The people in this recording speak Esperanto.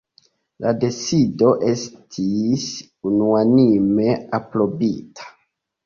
La decido estis unuanime aprobita.